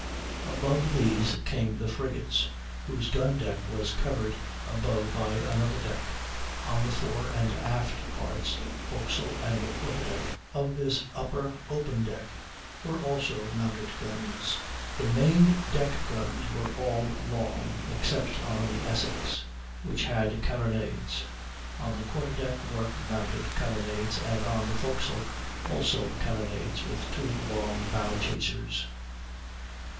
Above these came the frigates, whose gun deck was covered above by another deck; on the fore and aft parts (forecastle and quarter deck) of this upper, open deck were also mounted guns. The main deck guns were all long, except on the Essex, which had carronades; on the quarter deck were mounted carronades, and on the forecastle also carronades, with two long bow chasers.